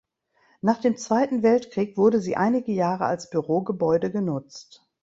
Nach dem Zweiten Weltkrieg wurde sie einige Jahre als Bürogebäude genutzt.